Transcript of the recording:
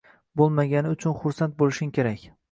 Bo‘lmagani uchun xursand bo‘lishing kerak”.